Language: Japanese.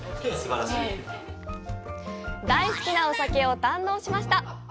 大好きなお酒を堪能しました！